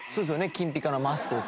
金ピカのマスクをつけて。